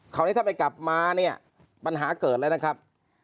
คราวนี้ถ้าไปกลับมาเนี่ยปัญหาเกิดแล้วนะครับ